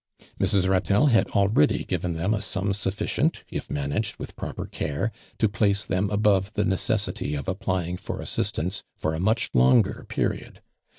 Jfrs. llatelh had already given them a sum sufficient, if managed with projjr'r caie to place ihem above the necessity of applying for assistance for a much longer period.